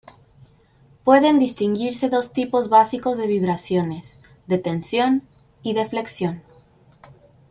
Pueden distinguirse dos tipos básicos de vibraciones: de tensión y de flexión.